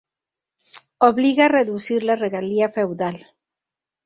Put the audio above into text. Obliga a reducir la regalía feudal.